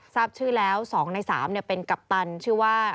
ทราบชื่อแล้ว๒ใน๓เป็นกัปตันชื่อว่า